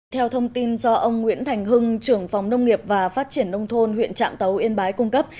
theo thông tin do ông nguyễn thành hưng trưởng phòng nông nghiệp và phát triển nông thôn huyện trạm tấu yên bái cung cấp